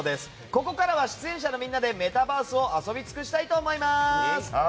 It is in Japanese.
ここからは、出演者のみんなでメタバースを遊び尽くしたいと思います！